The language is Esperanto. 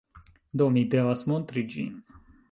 Do, mi devas montri ĝin.